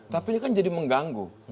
tapi ini kan jadi mengganggu